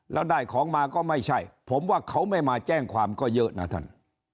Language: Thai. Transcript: แล้วได้ของมาก็ไม่ใช่ผมว่าเขาไม่มาแจ้งความก็เยอะนะท่าน